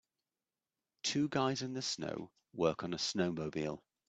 Two guys in the snow work on a snowmobile.